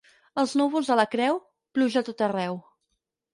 Els núvols a la Creu, pluja a tot arreu.